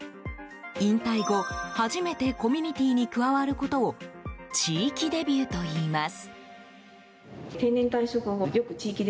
引退後、初めてコミュニティーに加わることを地域デビューといいます。